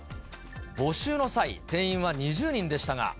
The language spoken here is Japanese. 募集の際、定員は２０人でしたが。